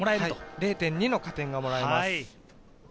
０．２の加点がもらえます。